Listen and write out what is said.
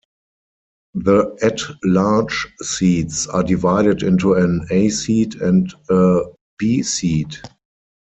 The at-large seats are divided into an "A" seat and a "B" seat.